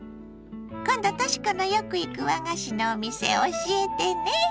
今度とし子のよく行く和菓子のお店教えてね！